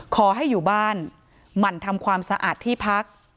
ขอให้อยู่บ้านหมั่นทำความสะอาดที่พัก